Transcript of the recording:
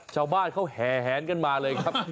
ชาวบ้านเขาแห่แหนกันมาเลยครับ